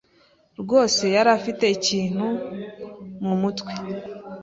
rwose yari afite ikintu mumutwe.